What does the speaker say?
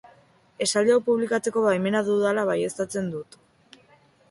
Esaldi hau publikatzeko baimena dudala baieztatzen dut.